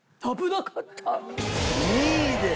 ２位です。